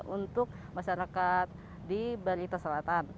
untuk masyarakat di balita selatan